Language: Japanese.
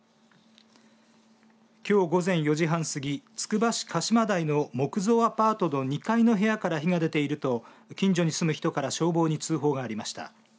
きょう午前４時半過ぎつくば市鹿島台の木造アパートの２階の部屋から火が出ていると近所に住む人から消防に通報がありました。